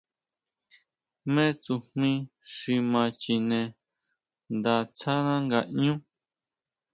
Jmé tsujmí xi ma chine nda tsáná ngaʼñú.